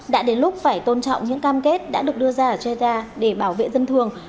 đã đến lúc phải tôn trọng những cam kết đã được đưa ra ở gea để bảo vệ dân thường